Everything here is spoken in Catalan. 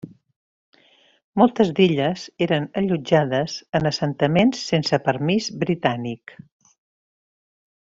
Moltes d'elles eren allotjades en assentaments sense permís britànic.